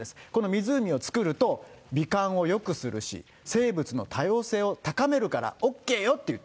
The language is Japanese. この湖を造ると、美観をよくするし、生物の多様性を高めるからＯＫよと言った。